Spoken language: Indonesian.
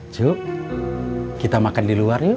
cuk kita makan di luar yuk